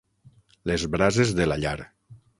Les brases de la llar.